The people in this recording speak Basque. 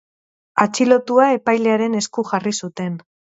Atxilotua epailearen esku jarri zuten.